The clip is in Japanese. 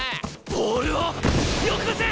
ボールをよこせ！